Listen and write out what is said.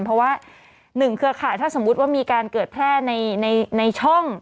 เพราะว่า๑เครือข่ายถ้าสมมุติว่ามีการเกิดแพร่ในช่อง